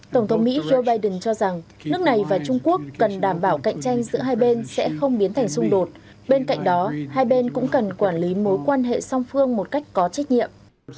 tổng thống mỹ joe biden cho rằng nước này và trung quốc cần đảm bảo cạnh tranh giữa hai bên sẽ không biến thành xung đột bên cạnh đó hai bên cũng cần quản lý mối quan hệ song phương một cách có trách nhiệm